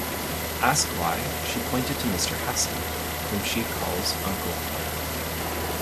Asked why, she pointed to Mr. Haski, whom she calls Uncle Han.